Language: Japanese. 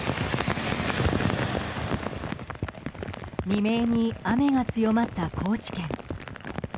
未明に雨が強まった高知県。